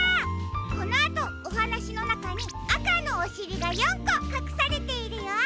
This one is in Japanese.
このあとおはなしのなかにあかのおしりが４こかくされているよ。